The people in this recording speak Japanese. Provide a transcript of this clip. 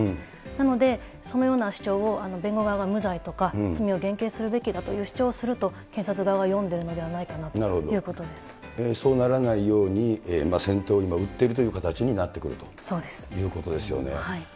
なので、そのような主張を、弁護側が無罪とか、罪を減刑するべきだという主張をすると、検察側は読んでいるのでそうならないように、先手を今、打ってるという形になってくるということですよね。